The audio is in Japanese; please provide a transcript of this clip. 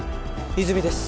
泉です